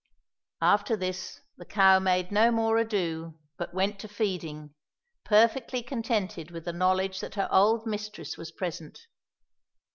After this the cow made no more ado, but went to feeding, perfectly contented with the knowledge that her old mistress was present.